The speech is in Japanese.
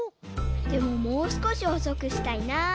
でももうすこしほそくしたいな。